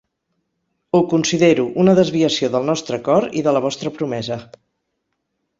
Ho considero una desviació del nostre acord i de la vostra promesa.